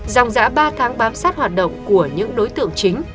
dòng giã ba tháng bám sát hoạt động của những đối tượng chính